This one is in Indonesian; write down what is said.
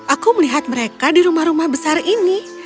aku melihat mereka di rumah rumah besar ini